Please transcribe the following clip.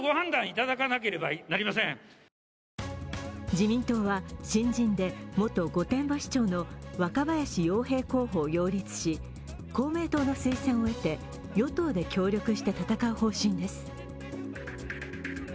自民党は新人で元御殿場市長の若林洋平候補を擁立し公明党の推薦を得て与党で協力して戦う方針です。